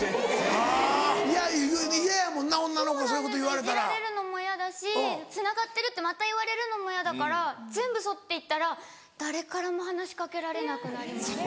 あぁ嫌やもんな女の子そういうこと言われたら。いじられるのもヤダしつながってるってまた言われるのもヤダから全部そって行ったら誰からも話し掛けられなくなりました。